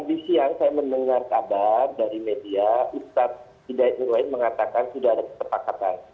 tadi siang saya mendengar kabar dari media ustadz hidayat irwait mengatakan sudah ada kesepakatan